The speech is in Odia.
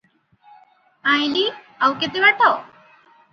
ଆଇଁଲି ଆଉ କେତେ ବାଟ?